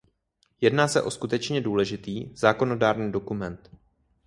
Jedná se o skutečně důležitý zákonodárný dokument.